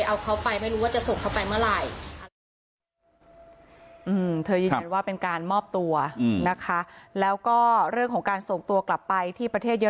เขาบอกว่าคือมีตำรวจเข้ามาแล้วเขาเห็นแล้วแล้วพอนี้ก็เลยถามว่าทำไมต้องหนี